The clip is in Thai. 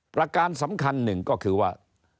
ประการสำคัญหนึ่งก็คือว่า